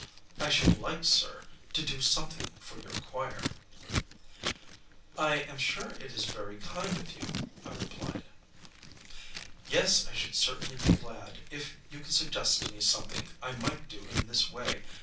I should like, sir, to do something for your choir." "I am sure it is very kind of you," I replied. "Yes, I should certainly be glad if you could suggest to me something I might do in this way.